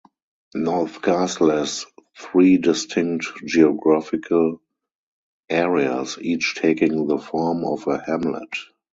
North Castle has three distinct geographical areas, each taking the form of a hamlet.